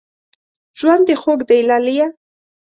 ژوند دې خوږ دی لالیه